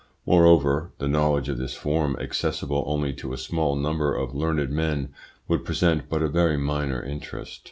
Moreover, the knowledge of this form, accessible only to a small number of learned men, would present but a very minor interest.